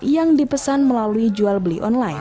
yang dipesan melalui jual beli online